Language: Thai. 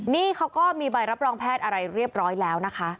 นี่เขาก็มีใบรับรองแพทย์อะไรเรียบร้อยแล้วนะคะ